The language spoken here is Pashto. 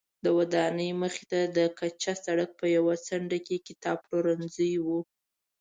د ودانۍ مخې ته د کچه سړک په یوه څنډه کې کتابپلورځی و.